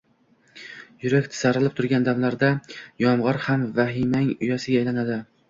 yurak tisarilib turgan damlarda yomgʻir ham vahimaning uyasiga aylanadi